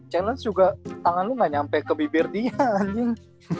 challenge juga tangan lu gak nyampe ke bibir dia kan